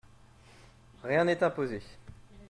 Rien n’est imposé.